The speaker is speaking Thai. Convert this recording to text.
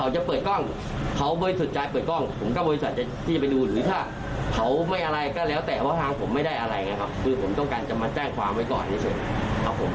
เจออย่างนี้พี่คือเสียความรู้สึกไปแล้วค่ะ